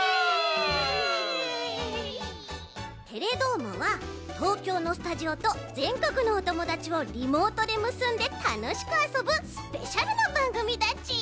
「テレどーも！」は東京のスタジオとぜんこくのおともだちをリモートでむすんでたのしくあそぶスペシャルなばんぐみだち！